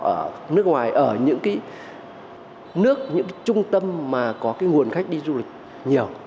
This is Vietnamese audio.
ở nước ngoài ở những cái nước những trung tâm mà có cái nguồn khách đi du lịch nhiều